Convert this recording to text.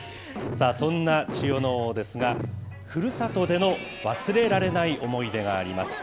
そんな千代ノ皇ですが、ふるさとでの忘れられない思い出があります。